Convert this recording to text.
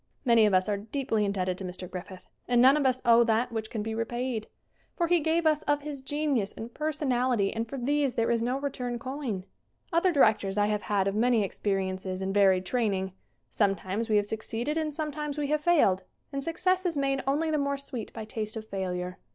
Many of us are deeply indebted to Mr. Griffith and none of us owe that which can be SCREEN ACTING 119 repaid. For he gave us of his genius and per sonality and for these there is no return coin. Other directors I have had of many experi ences and varied training. Sometimes we have succeeded and sometimes we have failed, and success is made only the more sweet by taste of failure.